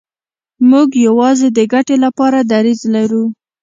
موږ یوازې د ګټې لپاره دریځ لرو.